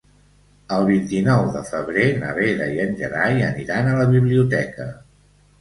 El vint-i-nou de febrer na Vera i en Gerai aniran a la biblioteca.